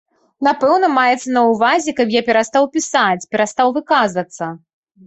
Напэўна, маецца на ўвазе, каб я перастаў пісаць, перастаў выказвацца.